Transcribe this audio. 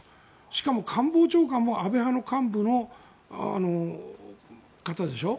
しかも官房長官も安倍派の幹部の方でしょ。